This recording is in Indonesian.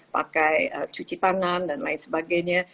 pakai cuci tangan dan lain sebagainya